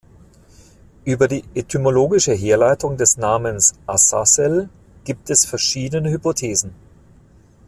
Über die etymologische Herleitung des Namens Asasel gibt es verschiedene Hypothesen.